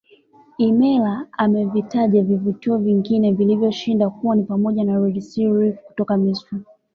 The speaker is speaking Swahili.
Imler amevitaja vivutio vingine vilivyo shinda kuwa ni pamoja Red sea reef kutoka Misri